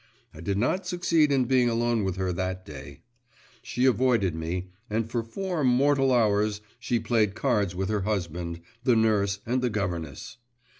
I did not succeed in being alone with her that day. She avoided me, and for four mortal hours she played cards with her husband, the nurse, and the governess!